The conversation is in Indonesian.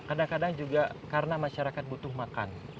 kadang kadang juga karena masyarakat butuh makan